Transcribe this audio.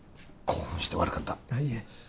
興奮して悪かったいえ